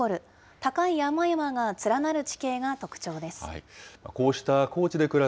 高い山々が連なる地形が特徴です。